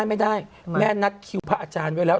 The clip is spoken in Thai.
ไม่ได้แม่นัดคิวพระอาจารย์ไว้แล้ว